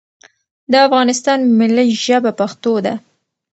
دا افغانستان ملی ژبه پښتو ده